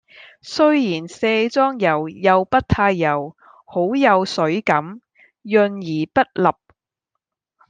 雖然卸妝油又不太油，好有水感，潤而不笠